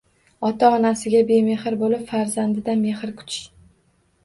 Ota-onasiga bemehr bo‘lib, farzandidan mehr kutish